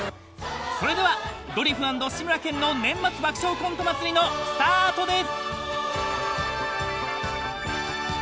［それでは『ドリフ＆志村けんの年末爆笑コント祭り！』のスタートです］